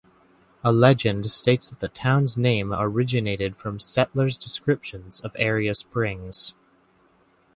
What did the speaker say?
A legend states that the town's name originated from settler's descriptions of area springs.